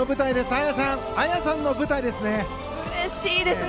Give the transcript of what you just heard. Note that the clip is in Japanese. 綾さん、綾さんの舞台ですね。